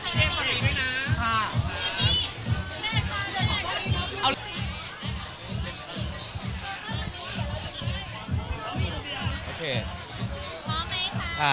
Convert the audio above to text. หนุ่มกิโรคกรีโดแบบนี้ไหมค่ะ